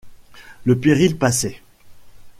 Le péril passait.